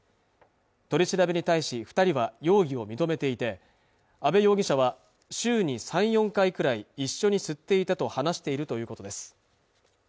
取り調べに対し二人は容疑を認めていて安部容疑者は週に３、４回くらい一緒に吸っていたと話しているということです